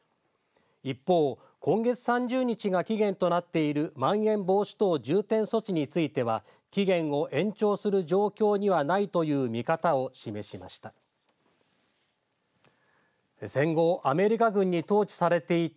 一方、今月３０日が期限となっているまん延防止等重点措置については期限を延長する状況にはないという見方を示しました。